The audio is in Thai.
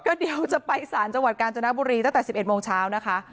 ก็เดี๋ยวจะไปสารจังหวัดกาญจนบุรีตั้งแต่๑๑โมงเช้านะคะ